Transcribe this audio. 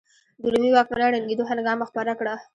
د رومي واکمنۍ ړنګېدو هنګامه خپره کړه.